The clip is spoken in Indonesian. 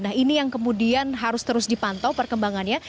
nah ini yang kemudian harus terus dipantau perkembangannya